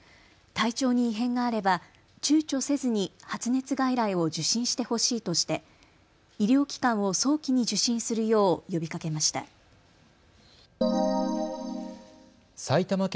体調に異変があればちゅうちょせずに発熱外来を受診してほしいとして医療機関を早期に受診するよう呼びかけました。